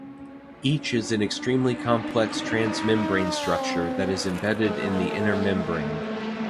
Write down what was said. Each is an extremely complex transmembrane structure that is embedded in the inner membrane.